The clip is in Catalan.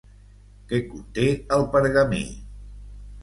Què conté el pergamí?